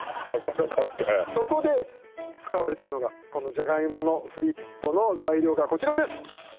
赤坂ってそこで使われているのがこの「ジャガイモのフリット」の材料がこちらですわ